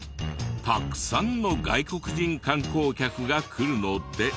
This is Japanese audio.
たくさんの外国人観光客が来るので。